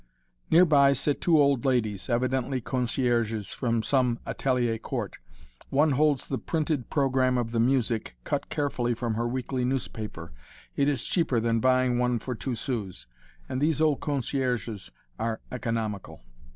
Near by sit two old ladies, evidently concierges from some atelier court. One holds the printed program of the music, cut carefully from her weekly newspaper; it is cheaper than buying one for two sous, and these old concierges are economical.